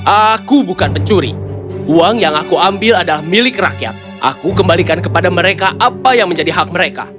aku bukan pencuri uang yang aku ambil adalah milik rakyat aku kembalikan kepada mereka apa yang menjadi hak mereka